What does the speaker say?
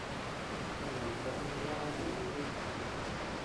Naka ama ñoʼo dítuu jíkuu.